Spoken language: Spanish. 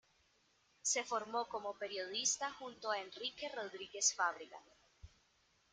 Se formó como periodista junto a Enrique Rodríguez Fabregat.